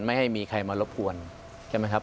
ไม่ให้มีใครมารบกวนใช่ไหมครับ